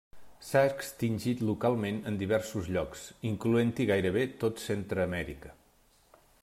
S'ha extingit localment en diversos llocs, incloent-hi gairebé tot Centreamèrica.